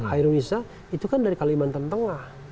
khairul nisa itu kan dari kalimantan tengah